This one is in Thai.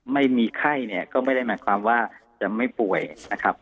ไม่มีไข้เนี่ยก็ไม่ได้หมายความว่าจะไม่ป่วยนะครับ